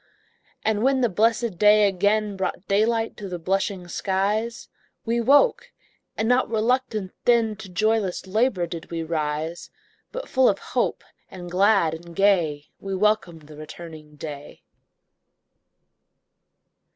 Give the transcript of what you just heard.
And when the blessed dawn again Brought daylight to the blushing skies, We woke, and not RELUCTANT then, To joyless LABOUR did we rise; But full of hope, and glad and gay, We welcomed the returning day.